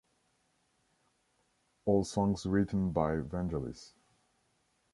All songs written by Vangelis.